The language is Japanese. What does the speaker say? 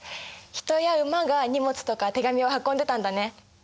人や馬が荷物とか手紙を運んでたんだね。